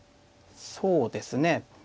そうですね。